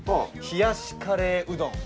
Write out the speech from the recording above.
冷やしカレーうどん？